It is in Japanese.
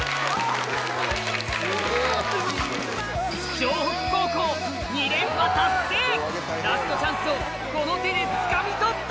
城北高校ラストチャンスをこの手でつかみ取った！